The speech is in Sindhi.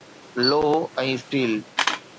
لوهه ۽ اسٽيل